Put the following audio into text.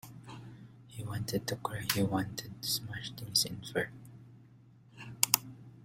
He wanted to cry, he wanted to smash things in fury.